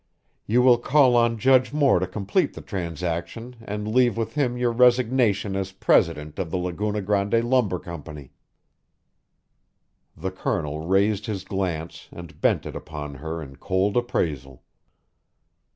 You will call on Judge Moore to complete the transaction and leave with him your resignation as president of the Laguna Grande Lumber Company." The Colonel raised his glance and bent it upon her in cold appraisal.